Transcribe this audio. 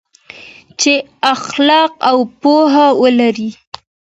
چې اخلاق او پوهه ولري.